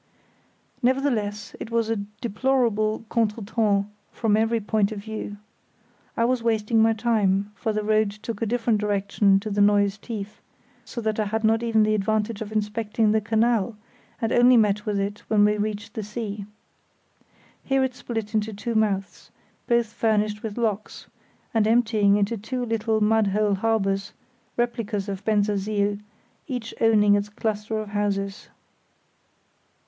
_ Nevertheless, it was a deplorable contretemps from every point of view. I was wasting my time, for the road took a different direction to the Neues Tief, so that I had not even the advantage of inspecting the canal and only met with it when we reached the sea. Here it split into two mouths, both furnished with locks, and emptying into two little mud hole harbours, replicas of Bensersiel, each owning its cluster of houses.